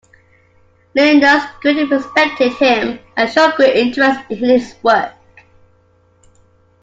Linnaeus greatly respected him and showed great interest in his work.